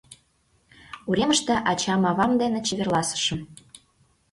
Уремыште ачам-авам дене чеверласышым.